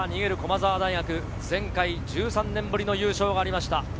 逃げる駒澤大学、前回１３年ぶりの優勝がありました。